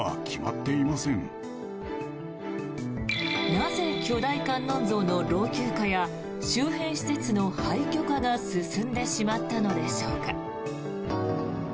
なぜ巨大観音像の老朽化や周辺施設の廃虚化が進んでしまったのでしょうか。